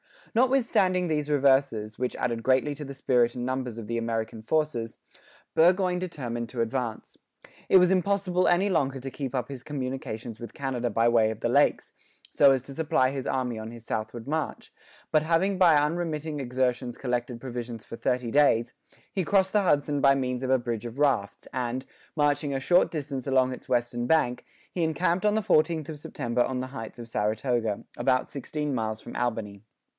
Notwithstanding these reverses, which added greatly to the spirit and numbers of the American forces, Burgoyne determined to advance. It was impossible any longer to keep up his communications with Canada by way of the lakes, so as to supply his army on his southward march; but having by unremitting exertions collected provisions for thirty days, he crossed the Hudson by means of a bridge of rafts, and, marching a short distance along its western bank, he encamped on the 14th of September on the heights of Saratoga, about sixteen miles from Albany.